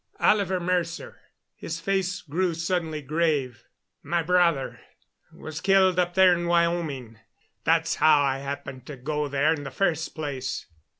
"Oliver Mercer." His face grew suddenly grave. "My brother was killed up there in Wyoming that's how I happened to go there in the first place."